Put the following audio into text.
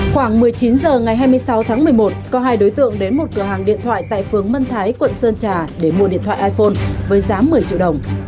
khoảng một mươi chín h ngày hai mươi sáu tháng một mươi một có hai đối tượng đến một cửa hàng điện thoại tại phường mân thái quận sơn trà để mua điện thoại iphone với giá một mươi triệu đồng